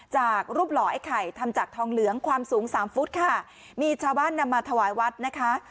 จากรูปหล่อไอ้ไข่ทำจากทองเหลืองความสูงสามฟุตค่ะมีชาวบ้านนำมาถวายวัดนะคะ